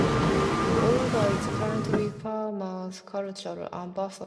Olga is currently Panama's Cultural Ambassador.